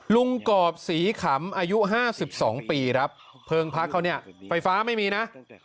กรอบศรีขำอายุ๕๒ปีครับเพลิงพักเขาเนี่ยไฟฟ้าไม่มีนะ